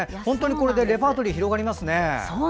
本当にこれでレパートリーが広がりますね。